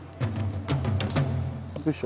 よいしょ。